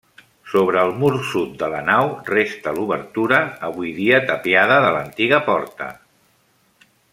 Sobre el mur sud de la nau restà l'obertura, avui dia tapiada de l'antiga porta.